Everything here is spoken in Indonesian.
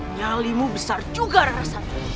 nyali mu besar juga rasanya